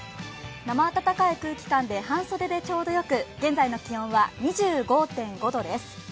生暖かい空気感で半袖でちょうどよく現在の気温は２５．５度です。